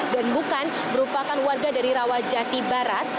dan bukan merupakan warga dari rawajati barat